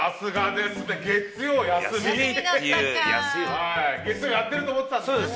月曜やってると思ってたんですね。